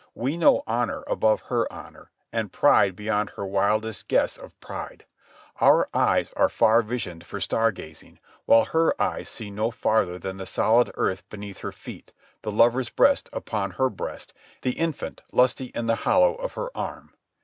We know honour above her honour, and pride beyond her wildest guess of pride. Our eyes are far visioned for star gazing, while her eyes see no farther than the solid earth beneath her feet, the lover's breast upon her breast, the infant lusty in the hollow of her arm.